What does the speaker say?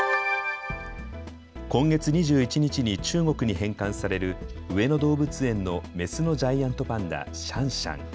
今月２１日に中国に返還される上野動物園のメスのジャイアントパンダ、シャンシャン。